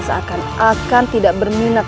seakan akan tidak berminat